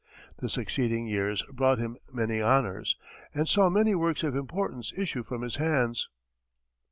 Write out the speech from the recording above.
The succeeding years brought him many honors, and saw many works of importance issue from his hands.